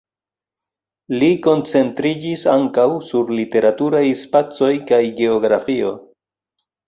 Li koncentriĝis ankaŭ sur literaturaj spacoj kaj geografio.